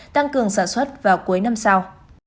tăng cường sản xuất vào cuối năm sau